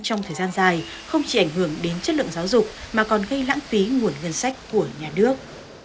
trong thời gian dài không chỉ ảnh hưởng đến chất lượng giáo dục mà còn gây lãng phí nguồn ngân sách của nhà nước